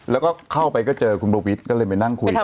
แล้วก็เข้าไปก็เจอคุณโบวิทย์ก็เลยไปนั่งคุยกัน